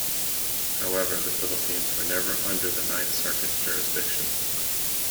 However, the Philippines were never under the Ninth Circuit's jurisdiction.